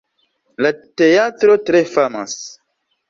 La teatro tre famas.